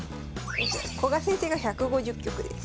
古賀先生が１５０局です。